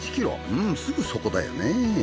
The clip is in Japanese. うんすぐそこだよね。